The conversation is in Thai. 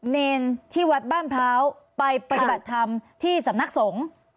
เนรที่วัดบ้านพร้าวไปปฏิบัติธรรมที่สำนักสงฆ์